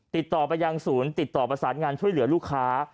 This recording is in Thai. ติดต่อไปยังศูนย์ติดต่อประสานงานช่วยเหลือลูกค้า